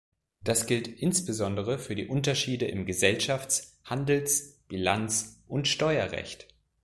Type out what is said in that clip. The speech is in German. Das gilt insbesondere für die Unterschiede im Gesellschafts-, Handels-, Bilanz- und Steuerrecht.